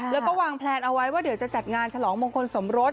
แล้วก็วางแพลนเอาไว้ว่าเดี๋ยวจะจัดงานฉลองมงคลสมรส